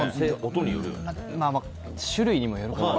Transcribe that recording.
種類にもよるかな。